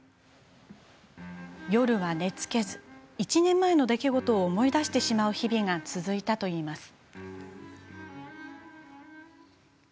夜は寝つけず、１年前の出来事を思い出してしまう日々が続いたといいます。